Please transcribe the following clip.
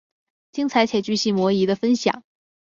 精彩且钜细靡遗的分享